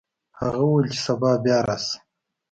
هغه وویل چې سبا بیا راشه.